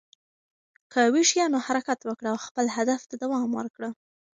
که ویښ یې، نو حرکت وکړه او خپلې هدف ته دوام ورکړه.